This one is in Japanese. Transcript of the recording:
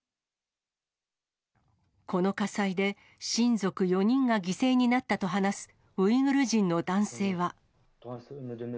この火災で親族４人が犠牲になったと話すウイグル人の男性は。